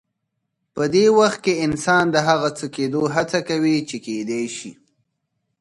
په دې وخت کې انسان د هغه څه کېدو هڅه کوي چې کېدای شي.